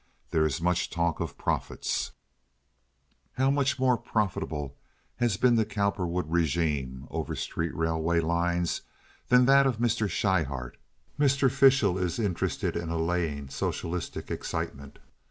There is much talk of profits—how much more profitable has been the Cowperwood regime over street railway lines than that of Mr. Schryhart. Mr. Fishel is interested in allaying socialistic excitement.